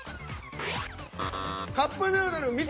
カップヌードル味噌。